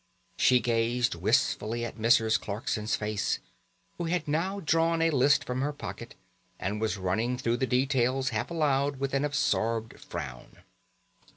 She gazed wistfully at Mrs. Clarkson's face, who had now drawn a list from her pocket, and was running through the details half aloud with an absorbed frown.